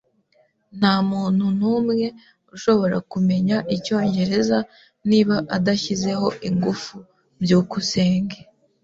Ntamuntu numwe ushobora kumenya icyongereza niba adashyizeho ingufu. byukusenge